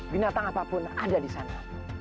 binatang apapun ada di sana